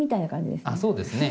そうですね。